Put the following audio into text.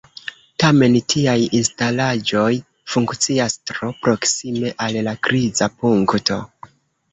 Tamen tiaj instalaĵoj funkcias tro proksime al la kriza punkto.